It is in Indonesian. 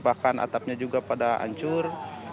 bahkan atapnya juga pada hancur